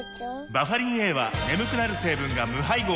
バファリンＡは眠くなる成分が無配合なんです